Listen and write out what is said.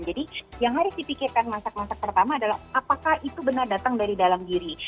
jadi yang harus dipikirkan masak masak pertama adalah apakah itu benar datang dari dalam diri